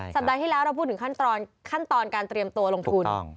สัปดาห์ที่แล้วเราพูดถึงขั้นตอนขั้นตอนการเตรียมตัวลงทุน